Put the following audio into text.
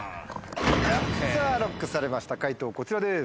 さぁＬＯＣＫされました解答こちらです。